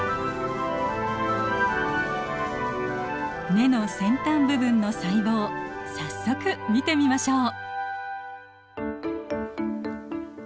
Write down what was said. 根の先端部分の細胞早速見てみましょう！